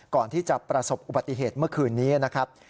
ก่อนที่จะประสบอุบัติเหตุเมื่อคืนนี้นะครับ